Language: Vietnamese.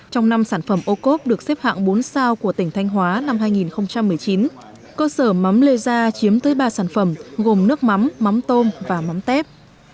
trong năm sản phẩm ô cốp được xếp hạng bốn sao của tỉnh thanh hóa năm hai nghìn một mươi chín cơ sở mắm lê gia chiếm tới ba sản phẩm gồm nước mắm mắm tôm và mắm tép